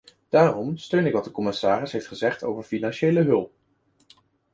Daarom steun ik wat de commissaris heeft gezegd over financiële hulp.